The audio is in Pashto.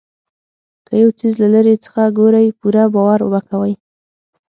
که یو څیز له لرې څخه ګورئ پوره باور مه کوئ.